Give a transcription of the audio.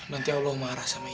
nanti allah marah sendiri